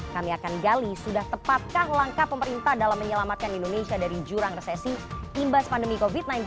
kami akan gali sudah tepatkah langkah pemerintah dalam menyelamatkan indonesia dari jurang resesi imbas pandemi covid sembilan belas